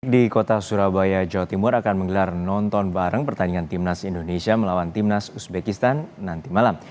di kota surabaya jawa timur akan menggelar nonton bareng pertandingan timnas indonesia melawan timnas uzbekistan nanti malam